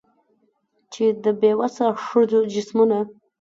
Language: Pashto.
چي د بې وسه ښځو جسمونه